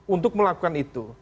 untuk melakukan itu